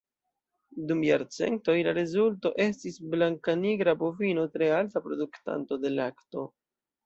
Dum jarcentoj, la rezulto estis blankanigra bovino tre alta produktanto de lakto.